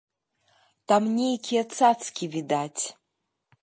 Там нейкія цацкі відаць.